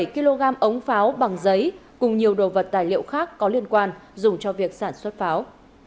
bảy kg ống pháo bằng giấy cùng nhiều đồ vật tài liệu khác có liên quan dùng cho việc sản xuất pháo